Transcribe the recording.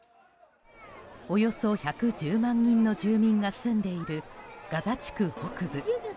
およそ１１０万人の住民が住んでいるガザ地区北部。